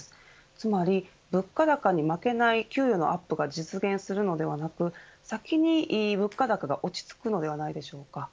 つまり物価高に負けない給与のアップが実現するのではなく先に物価高が落ち着くのではないでしょうか。